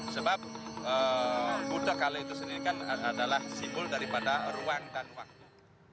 sebab buddha kale itu sendiri kan adalah simbol daripada ruang dan waktu